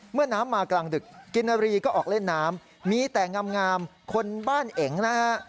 เมื่อน้ำมากลางดึกกินนารีก็ออกเล่นน้ำมีแต่งามคนบ้านเอ๋งนะฮะ